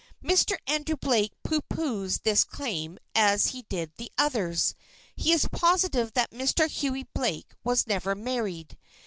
"Mr. Andrew Blake pooh poohs this claim as he did the others. He is positive that Mr. Hughie Blake was never married.